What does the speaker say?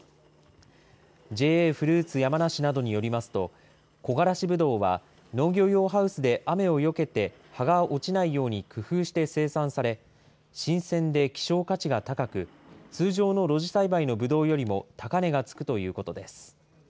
ＪＡフルーツ山梨などによりますと、こがらしぶどうは、農業用ハウスで雨をよけて、葉が落ちないように工夫して生産され、新鮮で希少価値が高く、通常の露地栽培のぶどうよりも高値がつくということです。